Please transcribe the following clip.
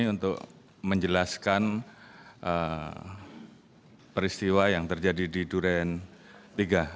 untuk menjelaskan peristiwa yang terjadi di duren tiga